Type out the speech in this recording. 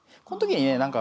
この時にね